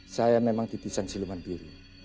saya memang titisan siluman biru